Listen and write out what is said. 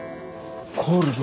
コールド。